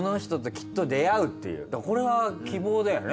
これは希望だよね。